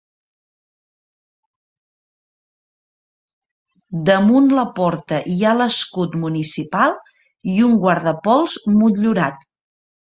Damunt la porta hi ha l'escut municipal i un guardapols motllurat.